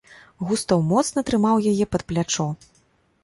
Густаў моцна трымаў яе пад плячо.